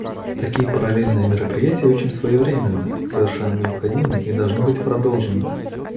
Такие параллельные мероприятия очень своевременны, совершенно необходимы и должны быть продолжены.